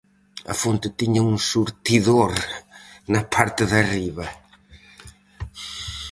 A fonte tiña un surtidor na parte de arriba.